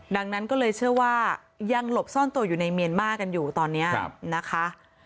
ดังนั้นก็เลยเชื่อว่ายังหลบซ่อนตัวอยู่ในเมียนมาร์กันอยู่ตอนนี้นะคะ